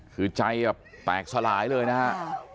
คือใจแบบแตกสลายเลยนะฮะ